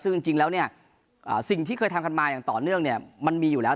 ซึ่งจริงแล้วเนี่ยสิ่งที่เคยทำกันมาอย่างต่อเนื่องเนี่ยมันมีอยู่แล้ว